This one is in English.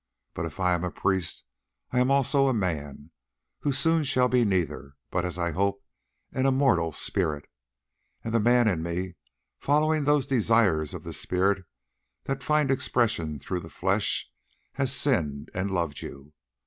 But if I am a priest I am also a man—who soon shall be neither, but, as I hope, an immortal spirit—and the man in me, following those desires of the spirit that find expression through the flesh, has sinned and loved you.